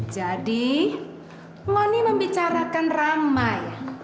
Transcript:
jadi ngoni membicarakan rama ya